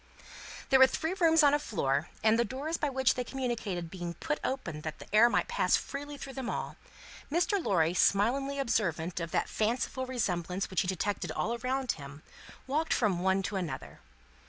There were three rooms on a floor, and, the doors by which they communicated being put open that the air might pass freely through them all, Mr. Lorry, smilingly observant of that fanciful resemblance which he detected all around him, walked from one to another.